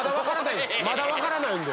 まだ分からないんで。